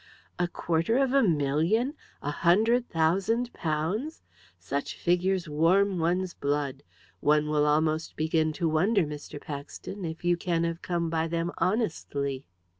"A quarter of a million! A hundred thousand pounds! Such figures warm one's blood. One will almost begin to wonder, Mr. Paxton, if you can have come by them honestly."